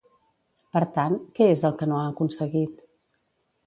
Per tant, què és el que no ha aconseguit?